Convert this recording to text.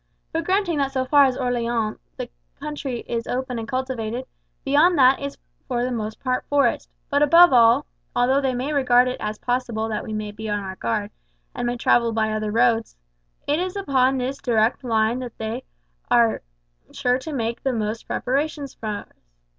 But granting that so far as Orleans the country is open and cultivated, beyond that it is for the most part forest; but above all although they may regard it as possible that we may be on our guard, and may travel by other roads it is upon this direct line that they are sure to make the most preparations for us.